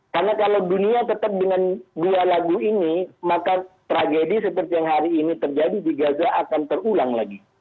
karena kalau dunia tetap dengan dua lagu ini maka tragedi seperti yang hari ini terjadi di gaza akan terulang lagi